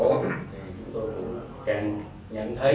chúng tôi cũng càng nhận thấy